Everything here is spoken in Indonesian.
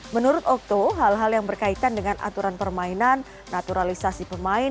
menurut okto hal hal yang berkaitan dengan aturan permainan naturalisasi pemain